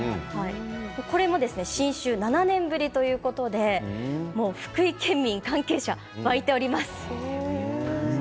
これも新種、７年ぶりということで福井県民や関係者は沸いております。